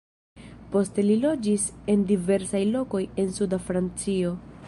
Poste li loĝis en diversaj lokoj en suda Francio.